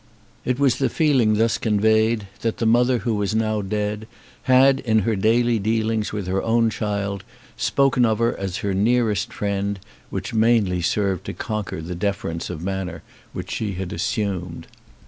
It was the feeling thus conveyed, that the mother who was now dead had in her daily dealings with her own child spoken of her as her nearest friend, which mainly served to conquer the deference of manner which she had assumed.